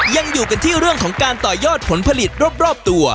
ยังอยู่กันที่เรื่องของการต่อยอดผลผลิตรอบตัว